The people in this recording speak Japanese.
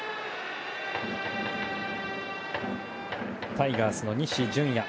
タイガースの西純矢。